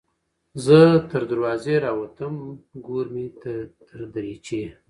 ـ زه تر دروازې راوتم نګور مې تر دريچې